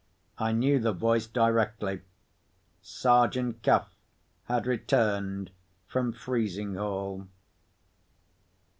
I knew the voice directly. Sergeant Cuff had returned from Frizinghall.